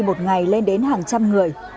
một ngày lên đến hàng trăm người